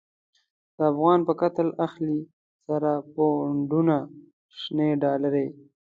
د افغان په قتل اخلی، سره پو نډونه شنی ډالری